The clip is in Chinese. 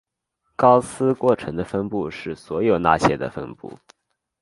高斯过程的分布是所有那些的分布。